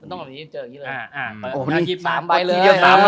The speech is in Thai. ตามใบเลย